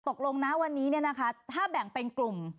ตกลงนะวันนี้เนี่ยนะคะถ้าแบ่งเป็นกลุ่ม